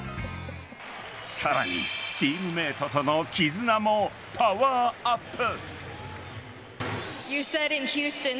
さらにチームメートとの絆もパワーアップ。